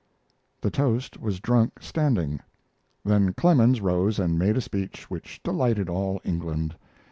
The toast was drunk standing. Then Clemens rose and made a speech which delighted all England.